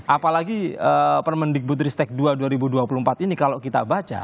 apalagi permendikbutristek ii dua dua ribu dua puluh empat ini kalau kita baca